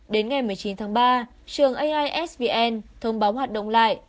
đến ngày một mươi chín tháng ba trường aisvn thông báo hoạt động lại